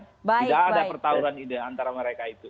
tidak ada pertahuan ide antara mereka itu